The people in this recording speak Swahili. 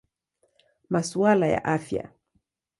Masuala ya Afya.